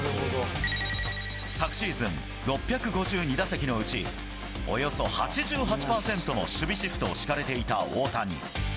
昨シーズン、６５２打席のうちおよそ８８％も守備シフトを敷かれていた大谷。